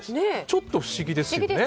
ちょっと不思議ですよね。